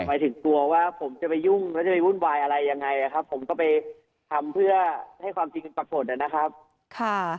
หมายถึงกลัวว่าผมจะไปยุ่งแล้วจะไปวุ่นวายอะไรยังไงนะครับผมก็ไปทำเพื่อให้ความจริงมันปรากฏนะครับค่ะ